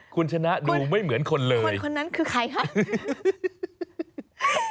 คุณชนะดูไม่เหมือนคนเลยคนคนนั้นคือใครคะ